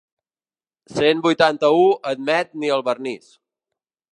Cent vuitanta-u admet ni el vernís.